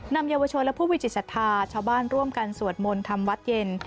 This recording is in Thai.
นำเยาวชนและผู้วิจิษฐาเช้าบ้านร่วมกันสวดมนต์ธรรมวัดเย็น